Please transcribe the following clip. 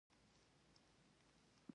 ښايي هغه خلک به پر دې نه پوهېږي.